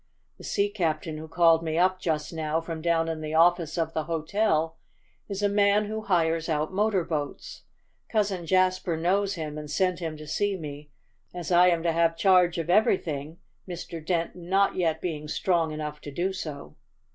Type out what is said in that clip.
The sea captain who called me up just now from down in the office of the hotel is a man who hires out motor boats. Cousin Jasper knows him, and sent him to see me, as I am to have charge of everything, Mr. Dent not yet being strong enough to do so."